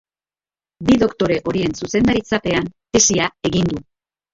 Bi doktore horien zuzendaritzapean tesia egin du.